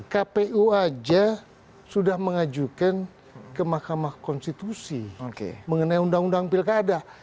kpu saja sudah mengajukan ke mahkamah konstitusi mengenai undang undang pilkada